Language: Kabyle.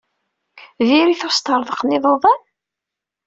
Diri-t usṭerḍeq n yiḍudan?